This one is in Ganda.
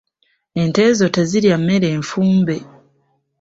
Ente zo tezirya mmere nfumbe.